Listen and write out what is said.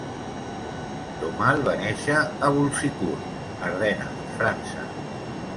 Daumal va néixer a Boulzicourt, Ardenes, França.